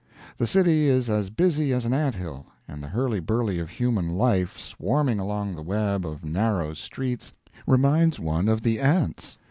The city is as busy as an ant hill, and the hurly burly of human life swarming along the web of narrow streets reminds one of the ants.